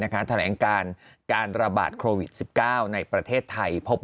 แถลงการการระบาดโควิด๑๙ในประเทศไทยพบ